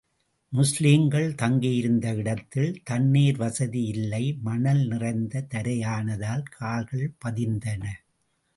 முஸ்லிம்கள் தங்கியிருந்த இடத்தில், தண்ணீர் வசதி இல்லை மணல் நிறைந்த தரையானதால், கால்கள் பதிந்தன.